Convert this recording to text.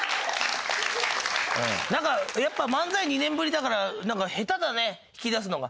なんかやっぱ漫才２年ぶりだから下手だね引き出すのが。